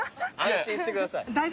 安心してください。